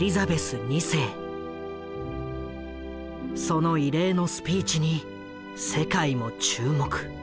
その異例のスピーチに世界も注目。